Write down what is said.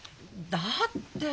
だって。